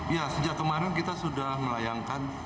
ya sejak kemarin kita sudah melayangkan